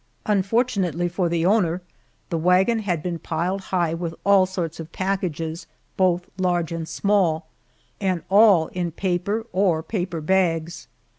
Unfortunately for the owner, the wagon had been piled high with all sorts of packages, both large and small, and all in paper or paper bags.